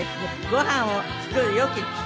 ごはんを作る良き父。